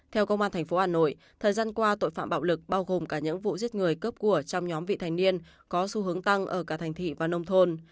theo công an tp hà nội thời gian qua tội phạm bạo lực bao gồm cả những vụ giết người cướp của trong nhóm vị thành niên có xu hướng tăng ở cả thành thị và nông thôn